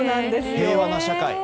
平和な社会！